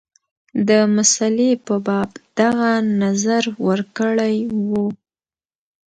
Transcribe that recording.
د مسلې په باب دغه نظر ورکړی وو.